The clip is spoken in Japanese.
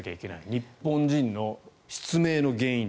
日本人の失明の原因